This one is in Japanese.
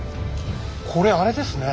これあれですね。